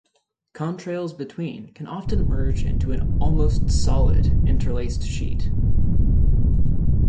Contrails between can often merge into an "almost solid" interlaced sheet.